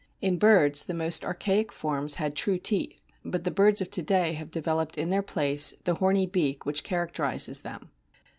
In birds the most archaic forms had true teeth ; but the birds of to day have developed in their place the horny beak which characterises them.